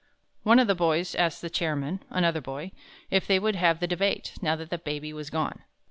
One of the boys asked the Chairman another boy if they would have the Debate, now that the Baby was gone?